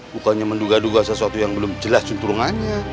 bukannya menduga duga sesuatu yang belum jelas centrungannya